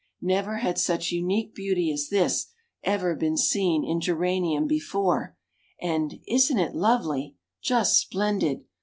Never had such unique beauty as this ever been seen in Geranium before, and, "Isn't it lovely!" "Just splendid!"